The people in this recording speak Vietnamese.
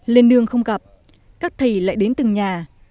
lên nương không gặp các thầy lại đến từng nhà